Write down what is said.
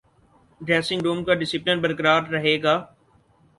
dressing room کا discipline برقرار رہے گا